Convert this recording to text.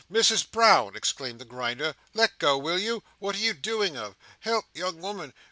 "Misses Brown!" exclaimed the Grinder, "let go, will you? What are you doing of? Help, young woman!